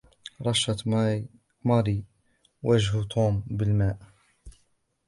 رشّت ماري وجه توم بالماء.